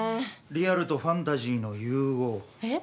リアルとファンタジーの融合？え？